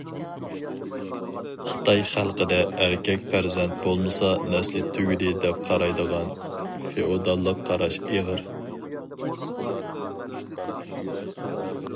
خىتاي خەلقىدە ئەركەك پەرزەنت بولمىسا نەسلى تۈگىدى دەپ قارايدىغان فېئوداللىق قاراش ئېغىر.